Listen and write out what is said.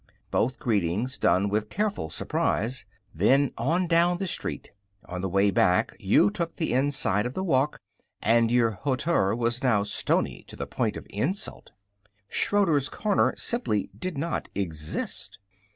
Both greetings done with careful surprise. Then on down the street. On the way back you took the inside of the walk, and your hauteur was now stony to the point of insult. Schroeder's corner simply did not exist.